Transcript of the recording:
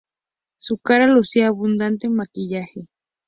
Su cara lucía abundante maquillaje.